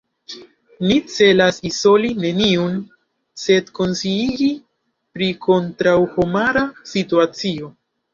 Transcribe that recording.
Ni celas izoli neniun, sed konsciigi pri kontraŭhomara situacio.